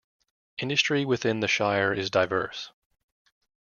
Industry within the shire is diverse.